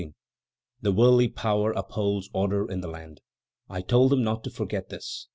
"The worldly power upholds order in the land; I told them not to forget this.